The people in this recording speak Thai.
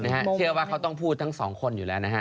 เชื่อว่าเขาต้องพูดทั้งสองคนอยู่แล้วนะฮะ